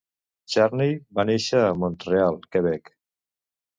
Charney va néixer a Montreal, Quebec.